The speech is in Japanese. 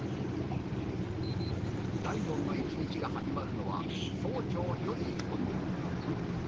大門の一日が始まるのは、早朝４時４０分。